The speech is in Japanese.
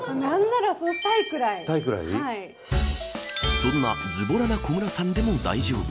そんなずぼらな小室さんでも大丈夫。